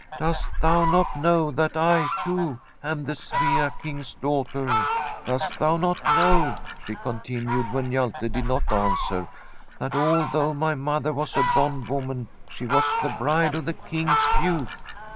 Dost thou not know that I, too, am the Svea King's daughter? Dost thou not know,' she continued, when Hjalte did not answer, ' that although my mother was a bondwoman, she was the bride of the King's youth